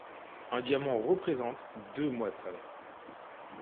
Un diamant représente deux mois de salaire.